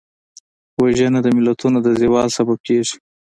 وژنه د ملتونو د زوال سبب کېږي